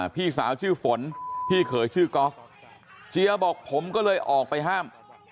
พี่สาวชื่อฝนพี่เขยชื่อกอล์ฟเจียบอกผมก็เลยออกไปห้าม